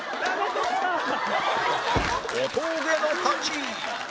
小峠の勝ち